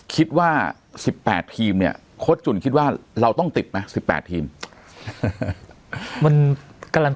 คิดว่า๑๘ทีมเนี่ยเค้าจุดคิดว่าเราต้องติดเปล่า๑๘ทีมมัน